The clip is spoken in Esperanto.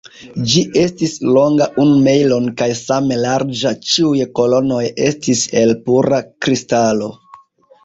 Ĝi estis longa unu mejlon kaj same larĝa; ĉiuj kolonoj estis el pura kristalo.